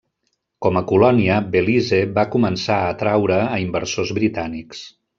Com a colònia, Belize va començar a atreure a inversors britànics.